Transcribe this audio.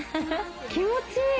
気持ちいい。